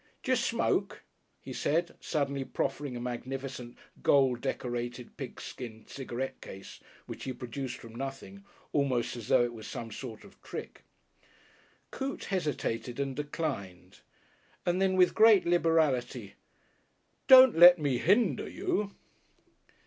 "D'ju smoke?" he said suddenly, proffering a magnificent gold decorated pigskin cigarette case, which he produced from nothing, almost as though it was some sort of trick. Coote hesitated and declined, and then, with great liberality, "Don't let me hinder you...."